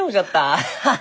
アハハハ！